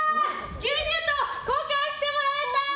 牛乳と交換してもらえた！